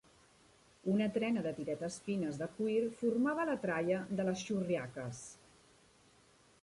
Una trena de tiretes fines de cuir formava la tralla de les xurriaques.